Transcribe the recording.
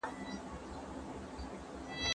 عدالت د قانون مهم اصل دی.